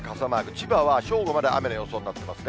千葉は正午まで雨の予想になってますね。